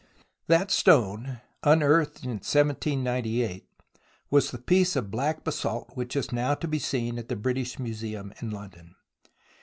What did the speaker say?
That stone, unearthed in 1798, was the piece of black basalt which is now to be seen at the British Museum in London.